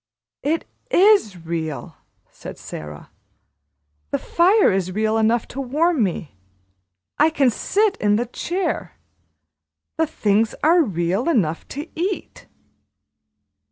"It is real," said Sara. "The fire is real enough to warm me; I can sit in the chair; the things are real enough to eat."